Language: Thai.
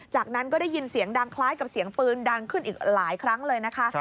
จากนั้นก็ได้ยินเสียงดังคล้ายกับเสียงปืนดังขึ้นอีกหลายครั้งเลยนะคะ